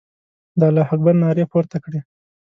د الله اکبر نارې پورته کړې.